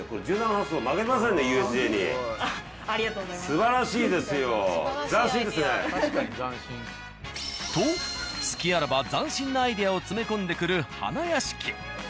すばらしいですよ。と隙あらば斬新なアイデアを詰め込んでくる花やしき。